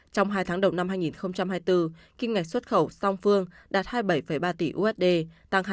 trong hai tháng đầu năm hai nghìn hai mươi bốn kinh ngạch xuất khẩu song phương đạt hai mươi bảy ba tỷ usd tăng hai mươi tám